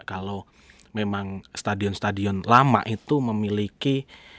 kalau memang stadion stadion lama itu memiliki